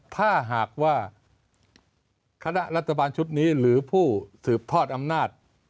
ถ้าหากว่าคณะรัฐบาลชุดนี้หรือผู้สืบทอดอำนาจ